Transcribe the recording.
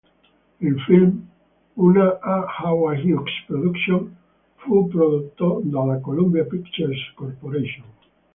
Il film, una A Howard Hawks Production, fu prodotto dalla Columbia Pictures Corporation.